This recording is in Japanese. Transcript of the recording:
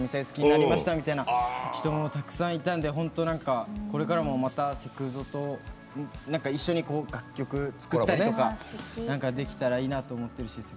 好きになりましたみたいな人もたくさんいたのでこれからも、またセクゾと一緒に楽曲作ったりとかできたらいいなと思ってるし。